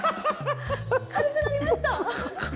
軽くなりました。